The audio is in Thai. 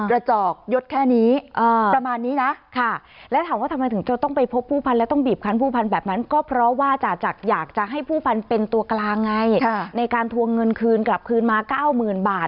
จอกยดแค่นี้ประมาณนี้นะค่ะและถามว่าทำไมถึงจะต้องไปพบผู้พันแล้วต้องบีบคันผู้พันแบบนั้นก็เพราะว่าจ่าจักรอยากจะให้ผู้พันเป็นตัวกลางไงในการทวงเงินคืนกลับคืนมาเก้าหมื่นบาท